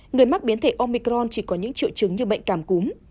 người mắc biến thể omicron chỉ có những triệu chứng như bệnh cảm cúm